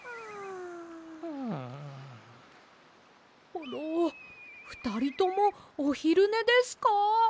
コロふたりともおひるねですか？